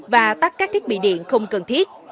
và tắt các thiết bị điện không cần thiết